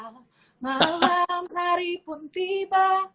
malam hari pun tiba